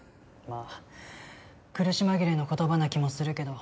まあ苦し紛れの言葉な気もするけど。